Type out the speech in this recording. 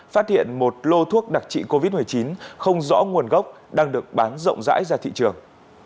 phát hiện một lô thuốc đặc trị covid một mươi chín không rõ nguồn gốc đang được bán rộng rãi ra thị trường